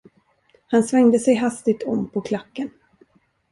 Han svängde sig hastigt om på klacken.